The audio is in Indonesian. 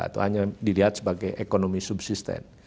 atau hanya dilihat sebagai ekonomi subsisten